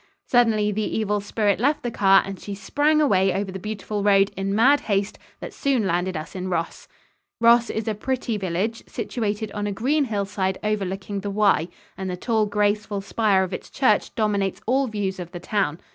Suddenly the evil spirit left the car and she sprang away over the beautiful road in mad haste that soon landed us in Ross. Ross is a pretty village, situated on a green hillside overlooking the Wye, and the tall, graceful spire of its church dominates all views of the town.